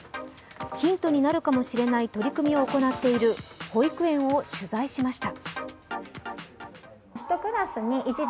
ヒントになるかもしれない取り組みを行っている保育園を取材しました。